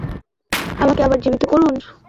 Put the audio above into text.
আমাকে আবার জীবিত করুন।